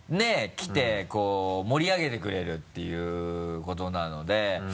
来てこう盛り上げてくれるっていうことなので。